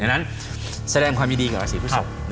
ดังนั้นแสดงความยินดีกับราศีพฤศพ